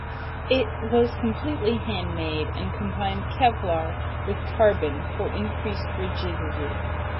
It was completely handmade and combined Kevlar with carbon for increased rigidity.